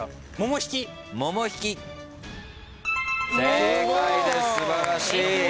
正解です素晴らしい。